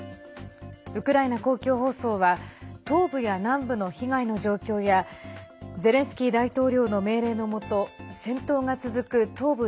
ウクライナ公共放送は東部や南部の被害の状況やゼレンスキー大統領の命令の下戦闘が続く東部